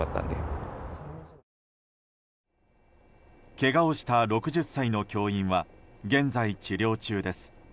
けがをした６０歳の教員は現在治療中です。